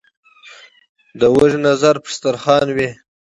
ـ د وږي نظر په دستر خوان وي.